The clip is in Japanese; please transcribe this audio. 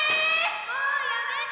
もうやめて！